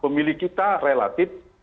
pemilih kita relatif